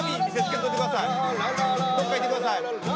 どっか行ってください。